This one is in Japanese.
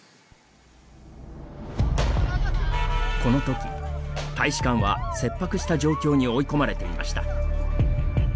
このとき大使館は切迫した状況に追い込まれていました。